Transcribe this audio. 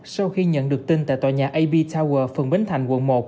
sau khi nhận được tin tại tòa nhà ab tower phường bến thành quận một